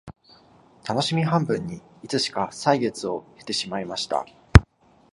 たのしみ半分にいつしか歳月を経てしまいました